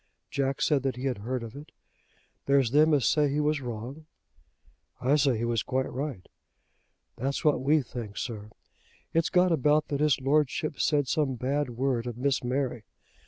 Jack said that he had heard of it. "There's them as say he was wrong." "I say he was quite right." "That's what we think, sir. It's got about that his Lordship said some bad word of Miss Mary.